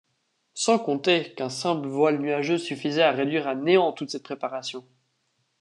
Sans compter qu'un simple voile nuageux suffisait à réduire à néant toute cette préparation...